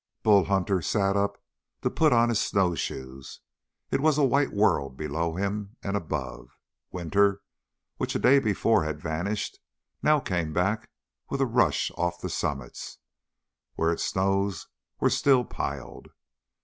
Bull Hunter sat up to put on his snowshoes. It was a white world below him and above. Winter, which a day before had vanished, now came back with a rush off the summits, where its snows were still piled.